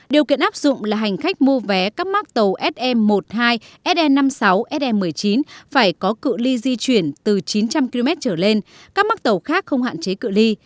điều kiện áp dụng là hành khách mua vé các mắc tàu se một mươi hai se năm mươi sáu se một mươi chín phải có cự li di chuyển từ chín trăm linh km trở lên các mắc tàu khác không hạn chế cự li